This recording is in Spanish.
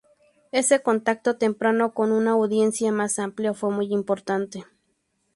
Ese contacto temprano con una audiencia más amplia fue muy importante.